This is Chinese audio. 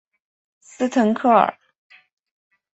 斯滕克尔。